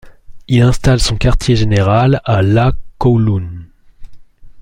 Il installe son quartier-général à l' à Kowloon.